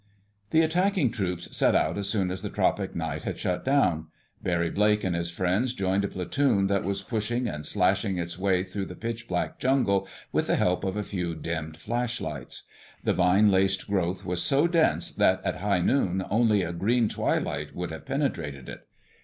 The attacking troops set out as soon as the tropic night had shut down. Barry Blake and his friends joined a platoon that was pushing and slashing its way through the pitch black jungle, with the help of a few dimmed flashlights. The vine laced growth was so dense that at high noon only a green twilight would have penetrated it.